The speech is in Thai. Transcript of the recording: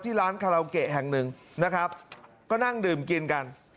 ร้านคาราโอเกะแห่งหนึ่งนะครับก็นั่งดื่มกินกัน